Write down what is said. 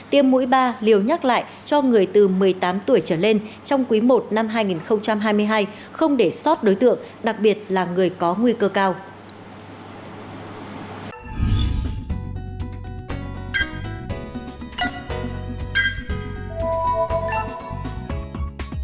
tiêm mũi ba liều nhắc lại cho người từ một mươi tám tuổi trở lên trong tháng một năm hai nghìn hai mươi hai tiêm mũi ba liều nhắc lại cho người từ một mươi tám tuổi trở lên trong tháng một năm hai nghìn hai mươi hai